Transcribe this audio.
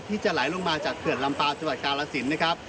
ที่จะไหลลงมาจากเขื่อนลำปางจังหวัดกาลสินนะครับ